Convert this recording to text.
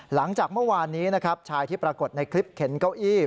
หลังจากเมื่อวานนี้นะครับชายที่ปรากฏในคลิปเข็นเก้าอี้